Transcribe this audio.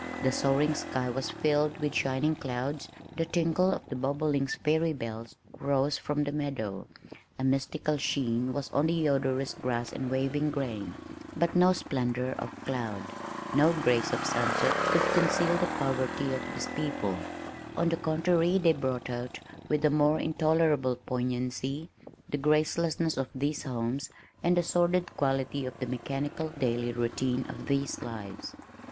The soaring sky was filled with shining clouds, the tinkle of the bobolink's fairy bells rose from the meadow, a mystical sheen was on the odorous grass and waving grain, but no splendor of cloud, no grace of sunset could conceal the poverty of these people, on the contrary they brought out, with a more intolerable poignancy, the gracelessness of these homes, and the sordid quality of the mechanical daily routine of these lives.